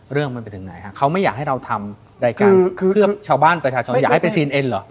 เรื่องมันไปถึงไหนฮะเขาไม่อยากให้เราทำรายการเพื่อชาวบ้านประชาชนอยากให้ไปซีนเอ็นเหรอ